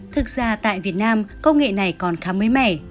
thực ra tại việt nam công nghệ này còn khá mới mẻ